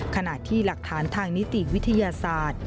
ขณะที่หลักฐานทางนิติวิทยาศาสตร์